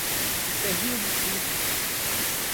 Serrinha dos Pintos